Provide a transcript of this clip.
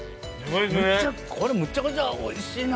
これむっちゃくちゃおいしいな。